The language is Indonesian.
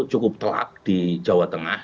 cukup telak di jawa tengah